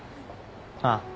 ああ。